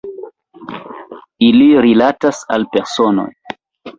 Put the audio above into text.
Ili rilatas al personoj.